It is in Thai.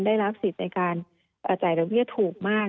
ได้รับสิทธิ์ในการจ่ายดอกเบี้ยถูกมาก